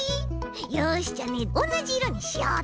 よしじゃあねおんなじいろにしようっと。